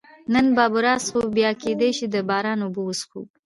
نن باربرا څښو، سبا کېدای شي د باران اوبه وڅښو.